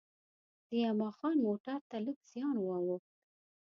د یما خان موټر ته لږ زیان وا ووښت.